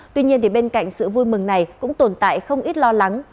tuy nhiên bên cạnh sự vui mừng này cũng tồn tại không ít lo lắng